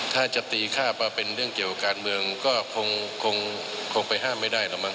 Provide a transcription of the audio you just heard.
ถ้าจะตีค่าว่าเป็นเรื่องเกี่ยวการเมืองก็คงไปห้ามไม่ได้หรอกมั้